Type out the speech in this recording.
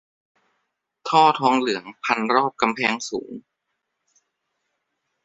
ท่อทองเหลืองพันรอบกำแพงสูง